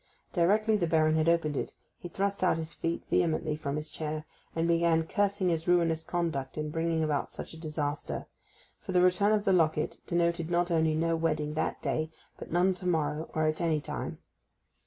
Directly the Baron had opened it he thrust out his feet vehemently from his chair, and began cursing his ruinous conduct in bringing about such a disaster, for the return of the locket denoted not only no wedding that day, but none to morrow, or at any time.